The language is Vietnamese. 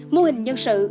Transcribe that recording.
mô hình nhân sự